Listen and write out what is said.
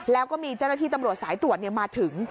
แล้วก็มีเจ้าหน้าที่ตำรวจสายตรวจมาถึง